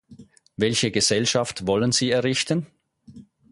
Welche Gesellschaft wollen Sie errichten?